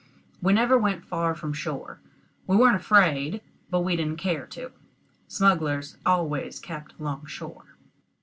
We never went far from shore. We weren't afraid, but we didn't care to. Smugglers always kept along shore.